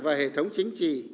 và hệ thống chính trị